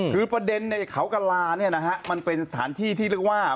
คือประเด็นในเขากระลาเนี่ยนะฮะมันเป็นสถานที่ที่เรียกว่า